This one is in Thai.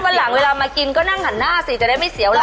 วันหลังเวลามากินก็นั่งหันหน้าสิจะได้ไม่เสียวล่ะ